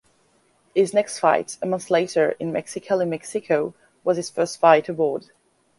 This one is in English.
His next fight, a month later, in Mexicali, Mexico, was his first fight abroad.